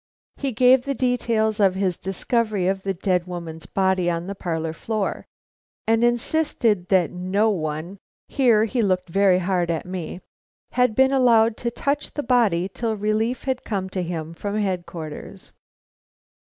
He gave the details of his discovery of the dead woman's body on the parlor floor, and insisted that no one here he looked very hard at me had been allowed to touch the body till relief had come to him from Headquarters.